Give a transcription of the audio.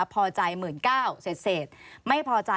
พอใจหมื่นเก้าเสร็จไม่พอใจ